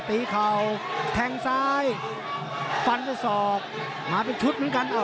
เข่าแทงซ้ายฟันด้วยศอกมาเป็นชุดเหมือนกัน